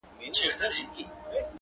خوب مي وتښتي ستا خیال لکه غل راسي،